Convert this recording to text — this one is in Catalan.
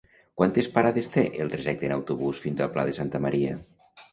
Quantes parades té el trajecte en autobús fins al Pla de Santa Maria?